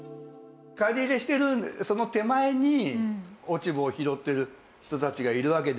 刈り入れしてるその手前に落ち穂を拾ってる人たちがいるわけですよ。